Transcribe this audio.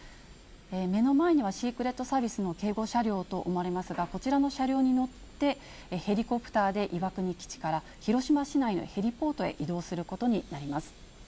目の前にはシークレットサービスの警護車両と思われますが、こちらの車両に乗って、ヘリコプターで岩国基地から広島市内のヘリポートに移動することになります。